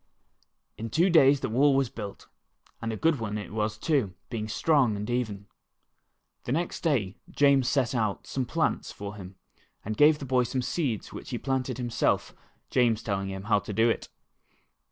In two days the wall was built, and a good one it was too, being strong and even. The next day James set out some plants for him, and gave the boy some seeds which he planted himself, James telling him how to do it.